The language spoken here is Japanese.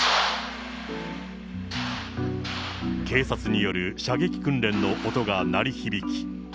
警察による射撃訓練の音が鳴り響き。